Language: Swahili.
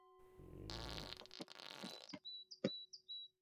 Ba kambo balikuwa napashana ma abari kupitia ngoma